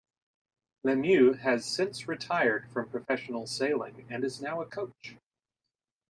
Lemieux has since retired from professional sailing and is now a coach.